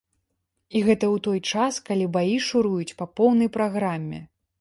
І гэта ў той час, калі баі шуруюць па поўнай праграме!